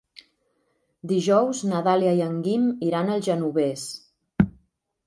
Dijous na Dàlia i en Guim iran al Genovés.